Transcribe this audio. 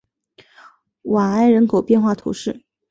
瓦埃人口变化图示